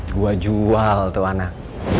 gua jual tuh anak